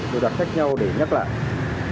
đều đặt khác nhau để nhắc lại